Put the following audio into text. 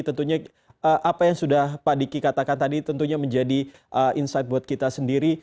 tentunya apa yang sudah pak diki katakan tadi tentunya menjadi insight buat kita sendiri